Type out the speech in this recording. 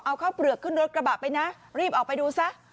เอาข้าวเปลือกขึ้นรถกระบะไปนะรีบออกไปดูซะ